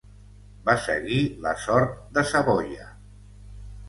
Va seguir la sort de Savoia.